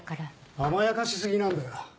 甘やかし過ぎなんだよ。